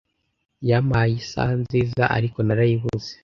Yampaye isaha nziza, ariko narayibuze.